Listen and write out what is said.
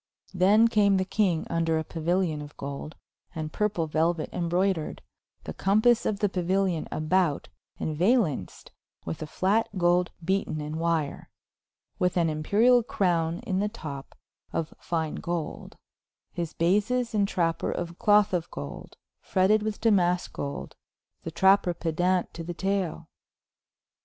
Then came the kynge vnder a Pauilion of golde, and purpul Veluet embroudered, the compass of the Pauilion about, and valenced with a flat, gold beaten in wyre, with an Imperiall croune in the top, of fyne Golde, his bases and trapper of cloth of Golde, fretted with Damask Golde, the trapper pedant to the tail.